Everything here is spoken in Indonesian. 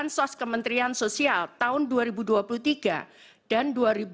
dan juga bansos kementerian sosial tahun dua ribu dua puluh tiga dan dua ribu dua puluh empat